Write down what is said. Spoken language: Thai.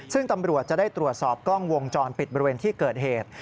ซึ่งตำรวจจะได้ตรวจสอบกล้องวงจรปิดบริเวณที่เกิดเหตุ